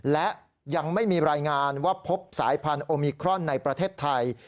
และยังไม่มีรายงานว่าพบสายพันธุ์โอมิครอนในประเทศไทย